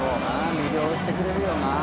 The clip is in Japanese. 魅了してくれるよなこれは」